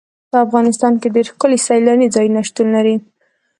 په افغانستان کې ډېر ښکلي سیلاني ځایونه شتون لري.